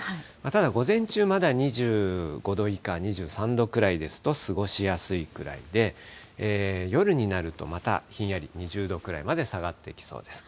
ただ、午前中、まだ２５度以下、２３度くらいですと過ごしやすいくらいで、夜になると、またひんやり、２０度くらいまで下がってきそうです。